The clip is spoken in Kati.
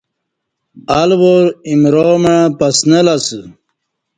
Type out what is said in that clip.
الوار ایمرامع پسنہ لہ اسہ